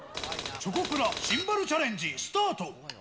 チョコプラ、シンバルチャレンジスタート。